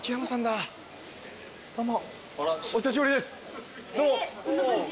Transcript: どうも。